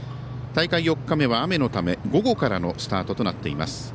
大会４日目は雨のため午後からのスタートとなっています。